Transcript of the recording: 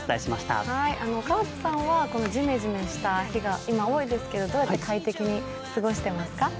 川津さんはこのジメジメした日が多いですけどどうやって快適に過ごしてますか？